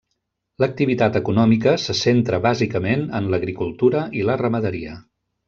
L'activitat econòmica se centra bàsicament en l'agricultura i la ramaderia.